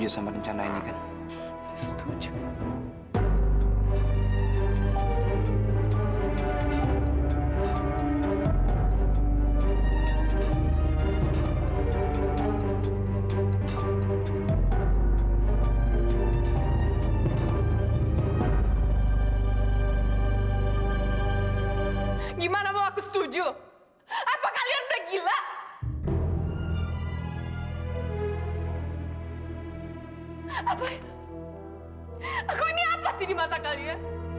sampai jumpa di video selanjutnya